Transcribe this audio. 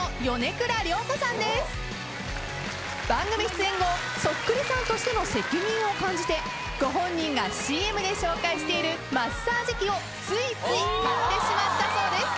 番組出演後そっくりさんとしての責任を感じてご本人がＣＭで紹介しているマッサージ器をついつい買ってしまったそうです。